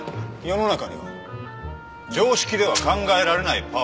世の中には常識では考えられないパワー。